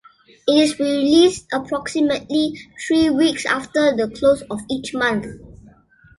It is released approximately three weeks after the close of each month.